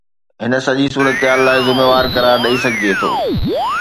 هن سڄي صورتحال لاء ذميوار قرار ڏئي سگهجي ٿو.